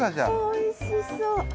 おいしそう。